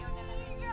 ya tidak pernah